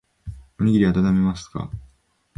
おにぎりあたためますか